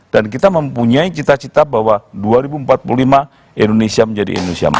dan kita mempunyai cita cita bahwa dua ribu empat puluh lima indonesia menjadi indonesia mata